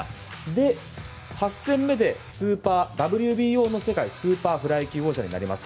で、８戦目でＷＢＯの世界スーパーフライ級王者になります。